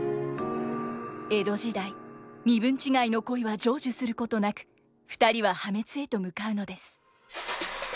江戸時代身分違いの恋は成就することなく２人は破滅へと向かうのです。